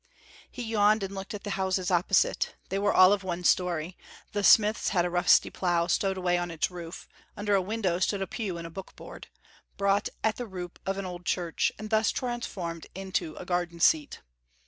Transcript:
He yawned and looked at the houses opposite. They were all of one story; the smith's had a rusty plough stowed away on its roof; under a window stood a pew and bookboard, bought at the roup of an old church, and thus transformed into a garden seat.